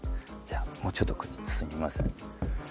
もうちょっとこっちすいません。